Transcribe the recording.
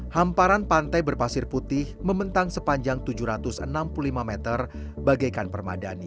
hamparan pantai berpasir putih mementang sepanjang tujuh ratus enam puluh lima meter bagaikan permadani